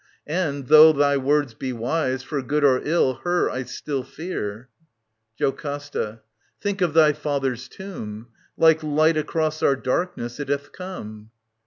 And, though thy words be wise, for good or ill Her I still fear, JOCASTA. Think of thy father's tomb ! Like light across our darkness it hath come.